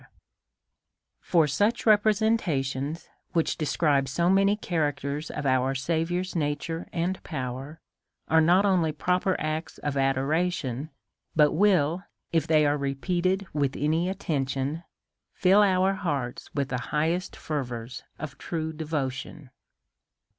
175 For such representations, which describe so many characters of our Saviour's nature and power, are not only proper acts of adoration, but will, if they are re peated with attention, till our hearts with the highest fervours of true devotion.